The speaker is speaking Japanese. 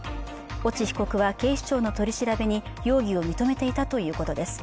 越智被告は警視庁の取り調べに容疑を認めていたということです。